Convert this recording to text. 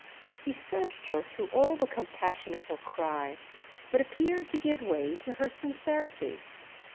He searched her through all the compassion of her cry, but appeared to give way to her sincerity.